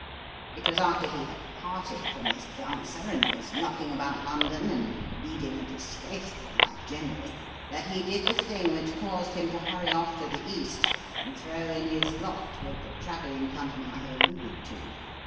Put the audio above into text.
"It was after he had parted from this dancer and was knocking about London and leading a disgraceful life generally that he did the thing which caused him to hurry off to the East and throw in his lot with the travelling company I have alluded to.